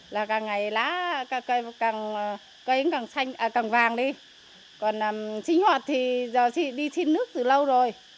là càng ngày cây càng vàng đi còn sinh hoạt thì đi xin nước từ lâu rồi